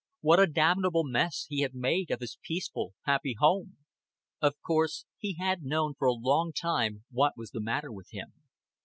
What a damnable mess he had made of his peaceful, happy home. Of course he had known for a long time what was the matter with him.